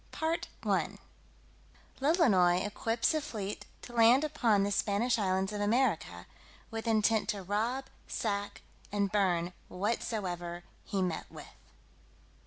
CHAPTER VII _Lolonois equips a fleet to land upon the Spanish islands of America, with intent to rob, sack and burn whatsoever he met with.